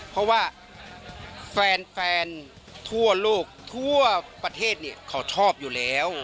เพราะว่าแฟนทั่วโลกทั่วประเทศเนี่ยเขาชอบอยู่แล้ว